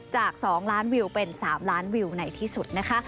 จาก๒ล้านวิวเป็น๓ล้านวิวในที่สุดนะคะ